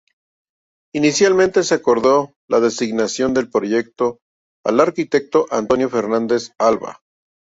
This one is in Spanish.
Inicialmente se acordó la designación del proyecto al arquitecto Antonio Fernández Alba.